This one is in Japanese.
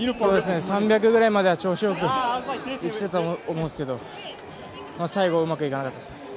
３００ぐらいまでは調子よくいけたと思うんですけど最後うまくいかなかったですね。